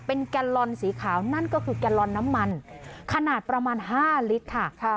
เป็นแกนลอนสีขาวนั่นก็คือแกลลอนน้ำมันขนาดประมาณ๕ลิตรค่ะ